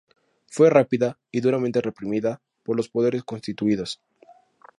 Fue rápida y duramente reprimida por los poderes constituidos.